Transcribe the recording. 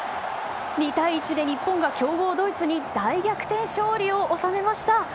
２対１で日本が強豪ドイツに大逆転勝利を収めました。